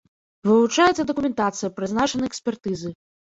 Вывучаецца дакументацыя, прызначаны экспертызы.